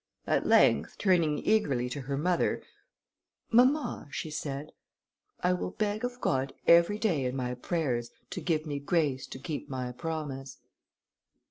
At length, turning eagerly to her mother, "Mamma," she said, "I will beg of God every day in my prayers to give me grace to keep my promise."